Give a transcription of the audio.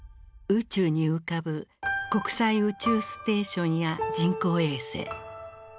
宇宙に浮かぶ国際宇宙ステーションや人工衛星。